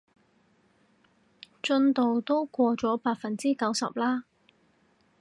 進度都過咗百分之九十啦